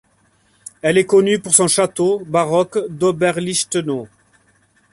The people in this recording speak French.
Elle est connue pour son château baroque d'Oberlichtenau.